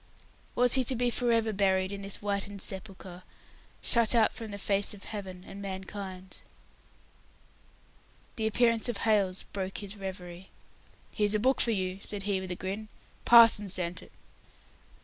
Was he to be for ever buried in this whitened sepulchre, shut out from the face of Heaven and mankind! The appearance of Hailes broke his reverie. "Here's a book for you," said he, with a grin. "Parson sent it."